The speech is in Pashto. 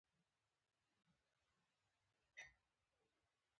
پیرودونکی د مهربانۍ ژبه ښه پوهېږي.